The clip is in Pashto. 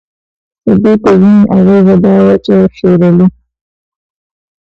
د دې تضمین اغېزه دا وه چې شېرعلي.